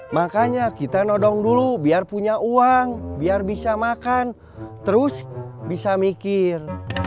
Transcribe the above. makanya kita nodong dulu biar punya uang biar bisa makan terus bisa mikir